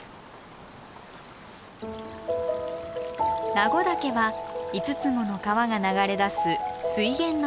名護岳は５つもの川が流れ出す水源の山。